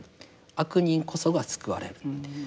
悪人こそが救われる。